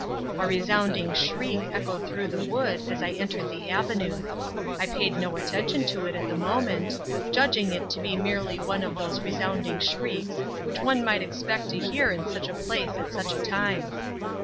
A resounding shriek echoed through the wood as I entered the avenue. I paid no attention to it at the moment, judging it to be merely one of those resounding shrieks which one might expect to hear in such a place at such a time.